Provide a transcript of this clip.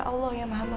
kalau sangat dihargai